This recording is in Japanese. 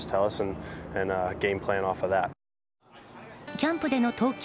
キャンプでの投球